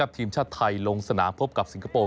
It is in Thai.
ทีมชาติไทยลงสนามพบกับสิงคโปร์